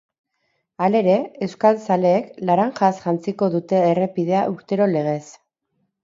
Halere, euskal zaleek laranjaz jantziko dute errepidea urtero legez.